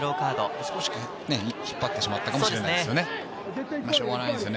少し引っ張ってしまったかもしれないですね。